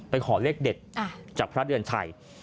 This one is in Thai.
ขอเลขเด็ดจากพระเดือนชัย